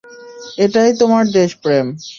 এটাই তোমার দেশপ্রেম।